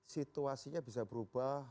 situasinya bisa berubah